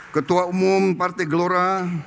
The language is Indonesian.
ketua umum partai gelora